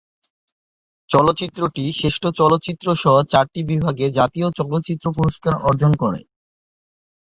চলচ্চিত্রটি শ্রেষ্ঠ চলচ্চিত্রসহ চারটি বিভাগে জাতীয় চলচ্চিত্র পুরস্কার অর্জন করে।